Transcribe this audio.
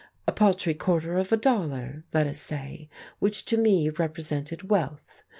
A paltry quarter of a dollar, let us say, which to me represented wealth.